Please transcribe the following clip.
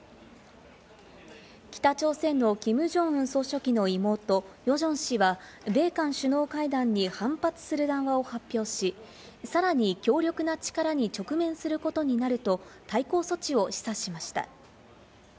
北朝鮮のキム・ジョンウン総書記の妹・ヨジョン氏は米韓首脳会談に反発する談話を発表し、さらに強力な力に直面することになると対抗措置を示唆しました。